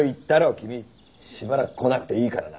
君しばらく来なくていいからな。